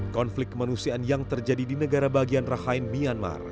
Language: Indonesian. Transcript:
konflik kemanusiaan yang terjadi di negara bagian rakhine myanmar